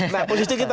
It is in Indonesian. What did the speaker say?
nah posisi kita